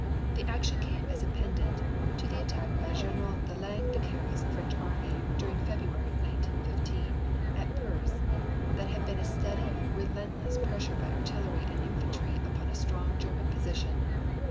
The action came as a pendant to the attack by General de Langle de Cary's French army during February, 1915, at Perthes, that had been a steady relentless pressure by artillery and infantry upon a strong German position.